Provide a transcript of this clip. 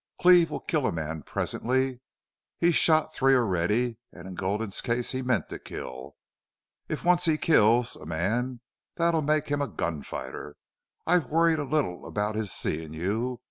Cleve will kill a man presently. He's shot three already, and in Gulden's case he meant to kill. If once he kills a man that'll make him a gun fighter. I've worried a little about his seeing you.